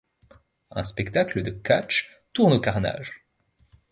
Un spectacle de catch tourne au carnage.